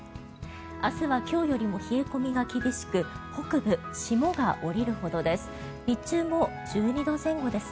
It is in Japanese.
明日は今日よりも冷え込みが厳しく北部、霜が降りるほどです。